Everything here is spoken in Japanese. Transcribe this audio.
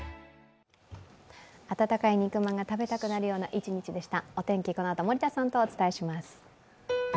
温かい肉まんが食べたくなるような一日でした。